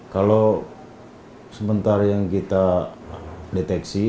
kalau sebentar yang kita deteksi